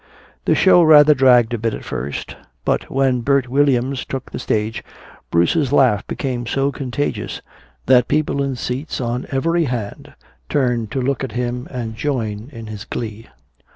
The show rather dragged a bit at first, but when Bert Williams took the stage Bruce's laugh became so contagious that people in seats on every hand turned to look at him and join in his glee.